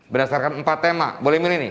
berdasarkan empat tema boleh milih nih